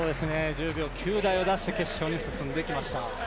１０秒９台を出して決勝に進んできました。